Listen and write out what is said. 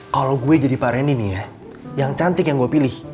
kalau gue jadi parenin nih ya yang cantik yang gue pilih